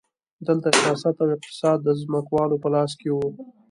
دلته سیاست او اقتصاد د ځمکوالو په لاس کې وو.